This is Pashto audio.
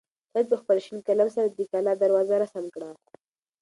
سعید په خپل شین قلم سره د کلا دروازه رسم کړه.